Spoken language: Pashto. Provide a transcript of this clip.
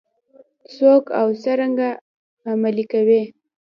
څوک او څرنګه عملي کوي؟